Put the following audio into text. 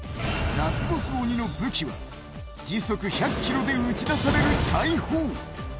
ラスボス鬼の武器は時速１００ｋｍで撃ちだされる大砲。